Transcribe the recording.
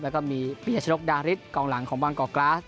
แล้วก็มีเบียชะนกดาริสกลางหลังของวางกะครา